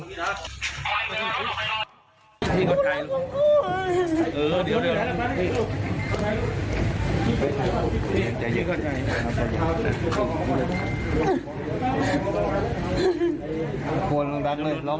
พูดข้างหมดตะโกนตะโกนตะโกนตะโกน